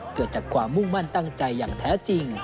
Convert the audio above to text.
เกิดจากความมุ่งมั่นตั้งใจอย่างแท้จริง